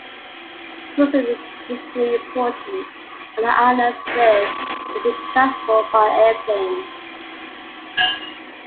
Tourism is increasingly important, on the islands with easy transport by airplane.